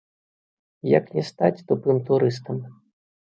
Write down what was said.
Як не стаць тупым турыстам.